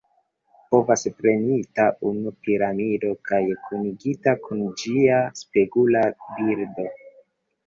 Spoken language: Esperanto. Povas prenita unu piramido kaj kunigita kun ĝia spegula bildo.